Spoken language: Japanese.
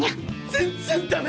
全然ダメ！